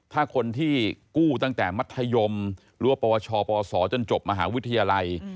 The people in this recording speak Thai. ถ้าคนที่กู้ตั้งแต่มัธยมหรือว่าประวัติศาสตร์ประวัติศาสตร์จนจบมหาวิทยาลัย